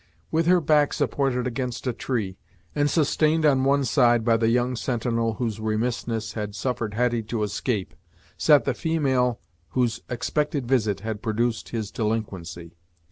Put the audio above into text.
With her back supported against a tree, and sustained on one side by the young sentinel whose remissness had suffered Hetty to escape, sat the female whose expected visit had produced his delinquency.